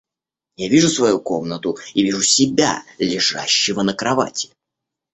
Я вижу свою комнату и вижу себя, лежащего на кровати.